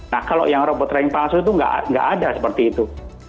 nah kalau yang robot rank palsu itu nggak ada seperti itu